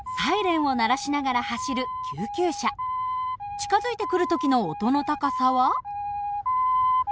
近づいてくる時の音の高さは。